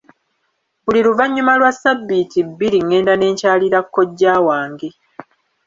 Buli luvannyuma lwa ssabbiiti bbiri ngenda ne nkyalira kojja wange.